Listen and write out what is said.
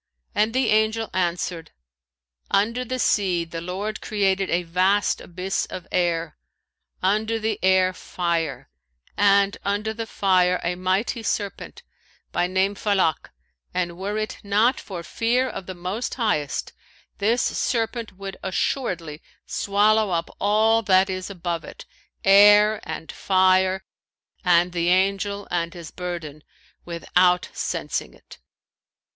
and the Angel answered, 'Under the sea the Lord created a vast abyss of air, under the air fire, and under the fire a mighty serpent, by name Falak; and were it not for fear of the Most Highest, this serpent would assuredly swallow up all that is above it, air and fire and the Angel and his burden, without sensing it.'"